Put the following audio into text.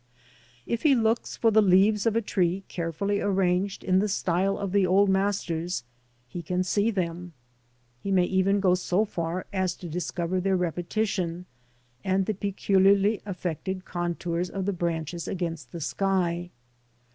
If he looks for the leaves of a tree carefully arranged in the style of the old masters, he can see them ; he may even go so far as to discover their repetition, and the peculiarly affected contours of the branches against the sky.